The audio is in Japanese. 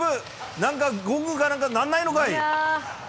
なんか、ゴングかなんか鳴んないのかい。